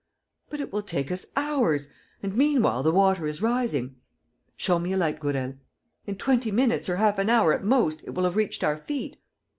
"But it will take us hours; and meanwhile, the water is rising." "Show me a light, Gourel." "In twenty minutes, or half an hour at most, it will have reached our feet."